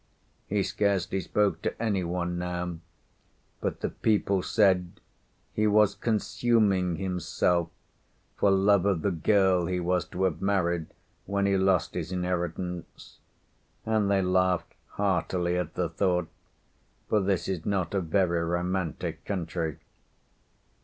He scarcely spoke to any one now, but the people said he was "consuming himself" for love of the girl he was to have married when he lost his inheritance; and they laughed heartily at the thought, for this is not a very romantic country.